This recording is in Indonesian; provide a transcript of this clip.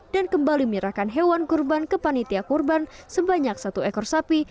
dan kembali menyerahkan hewan kurban ke panitia kurban sebanyak satu ekor sapi